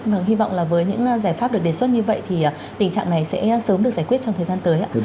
vâng hy vọng là với những giải pháp được đề xuất như vậy thì tình trạng này sẽ sớm được giải quyết trong thời gian tới ạ